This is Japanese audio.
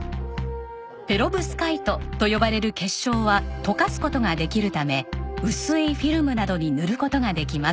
ペロブスカイトと呼ばれる結晶は溶かす事ができるため薄いフィルムなどに塗る事ができます。